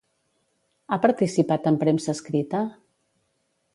Ha participat en premsa escrita?